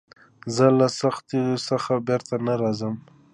زه له سختیو څخه بېره نه لرم.